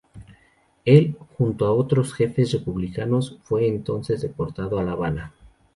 Él, junto con otros jefes republicanos, fue entonces deportado a La Habana.